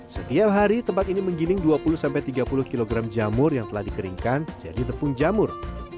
setiap hari tempat ini menggiling dua puluh tiga puluh kg jamur yang telah dikeringkan jadi tepung jamur